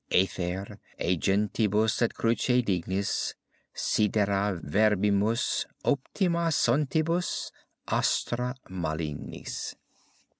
aether egentibus et cruce dignis, Sidera vermibus, optima sontibus, astra malignis.